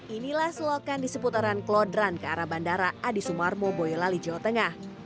inilah selokan di seputaran klodran ke arah bandara adi sumarmo boyolali jawa tengah